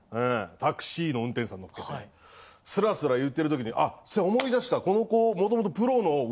タクシーの運転手さんのっけてスラスラ言ってるときにあっせや思い出したこの子。